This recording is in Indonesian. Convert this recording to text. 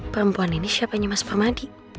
perempuan ini siapanya mas famadi